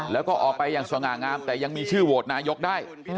แล้วก็ออกไปอย่างสง่างามแต่ยังมีชื่อโหวตนายกได้